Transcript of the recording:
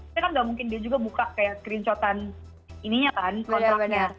tapi kan gak mungkin dia juga buka kayak kerincotan kontraknya